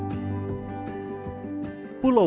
ada pembayaran yang sudah dihasilkan oleh pembayaran